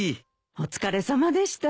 お疲れさまでした。